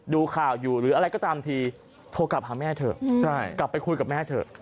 ดูข่าวอยู่หรืออะไรก็ตามทีโทรกลับหาแม่เถอะกลับไปคุยกับแม่เถอะ